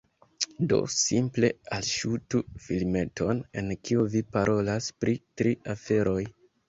Do, simple alŝutu filmeton en kiu vi parolas pri tri aferoj